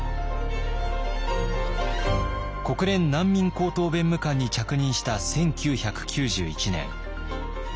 国連難民高等弁務官に着任した１９９１年。